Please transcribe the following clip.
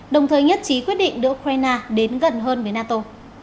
đồng thời nhất trí quyết định đưa ukraine đến gần hơn với nato